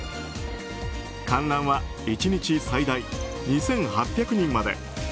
観覧は１日最大２８００人まで。